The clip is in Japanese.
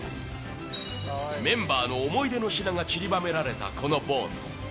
メンバーの思い出の品がちりばめられたこのボート。